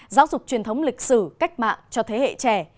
giáo dục truyền thống lịch sử cách mạng cho thế hệ trẻ